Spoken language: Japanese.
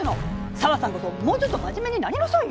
紗和さんこそもうちょっと真面目になりなさいよ！